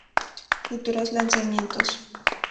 Futuros Lanzamientos